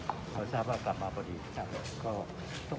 คืออยากให้ขอบหรือมาก็จะไปล้างก่อน